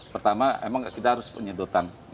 pertama emang kita harus penyedotan